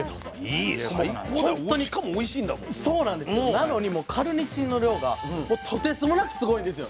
なのにもうカルニチンの量がとてつもなくすごいんですよね。